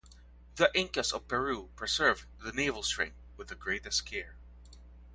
The Incas of Peru preserved the navel-string with the greatest care.